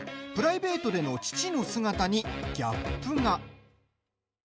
プライベートでの父の姿にギャップが。